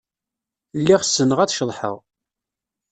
Lliɣ ssneɣ ad ceḍḥeɣ.